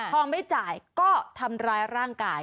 พอไม่จ่ายก็ทำร้ายร่างกาย